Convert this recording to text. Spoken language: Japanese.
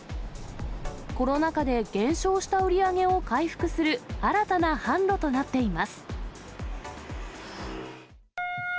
コロナ禍で減少した売り上げを回復する、新たな販路となっています。